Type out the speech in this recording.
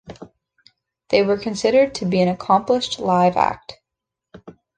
They were considered to be an accomplished live act.